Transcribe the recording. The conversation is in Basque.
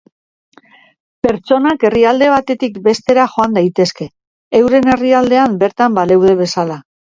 Pertsonak herrialde batetik bestera joan daitezke, euren herrialdean bertan baleude bezala.